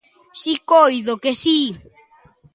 Si, coido que si.